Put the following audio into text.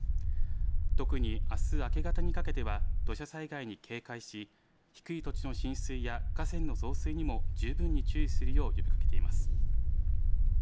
特にあす明け方にかけては土砂災害に警戒し低い土地の浸水や河川の増水にも十分に注意するよう呼びかけています。